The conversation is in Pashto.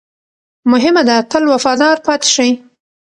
مهمه ده، تل وفادار پاتې شئ.